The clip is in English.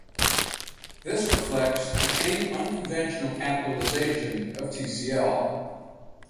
This reflects the same unconventional capitalization of Tcl.